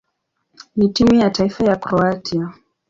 na timu ya taifa ya Kroatia.